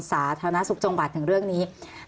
สาธารณสุขจังหวัดถึงเรื่องนี้